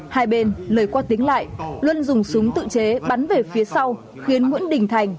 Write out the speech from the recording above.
hai bên lời qua tính lại luân dùng súng tự chế bắn về phía sau khiến nguyễn đình thành